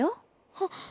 はっ。